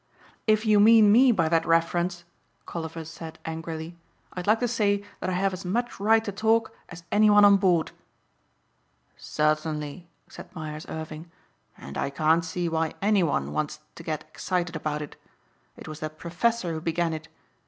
"If you mean me by that reference," Colliver said angrily, "I'd like to say that I have as much right to talk as anyone on board." "Certainly," said Myers Irving, "and I can't see why anyone wants to get excited about it. It was that professor who began it. Mr.